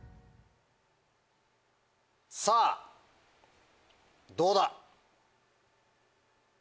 さぁどうだ？